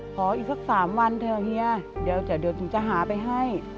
อีกสัก๓วันเถอะเฮียเดี๋ยวถึงจะหาไปให้